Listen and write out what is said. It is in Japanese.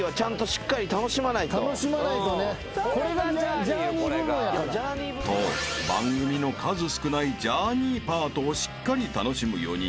［と番組の数少ないジャーニーパートをしっかり楽しむ４人］